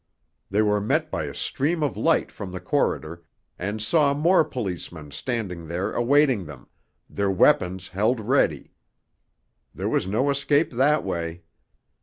They were met by a stream of light from the corridor, and saw more policemen standing there awaiting them, their weapons held ready; there was no escape that way.